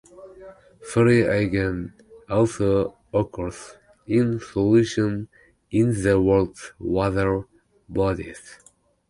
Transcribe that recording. Free oxygen also occurs in solution in the world's water bodies.